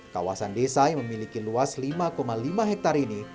kawasan desa yang memiliki luas lima lima hektare ini